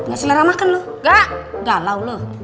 gak selera makan lo